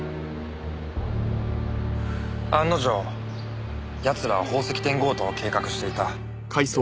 案の定奴らは宝石店強盗を計画していた。